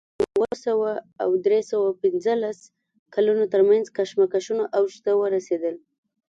د اتیا اوه سوه او درې سوه پنځلس کلونو ترمنځ کشمکشونه اوج ته ورسېدل